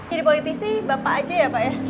jadi politisi bapak aja ya pak ya